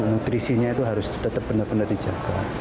nutrisinya itu harus tetap benar benar dijaga